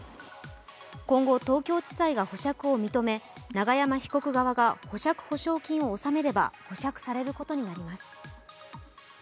今後、東京地裁が保釈を認め永山被告側が保釈保証金を納めれば保釈されることになります。